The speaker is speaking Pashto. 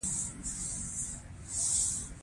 هغه ټکي پکې ومومئ چې د لاسته راوړنو راز پکې دی.